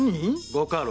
ご家老！